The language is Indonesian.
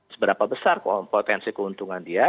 seberapa besar potensi keuntungan dia